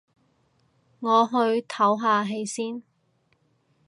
我去唞下氣先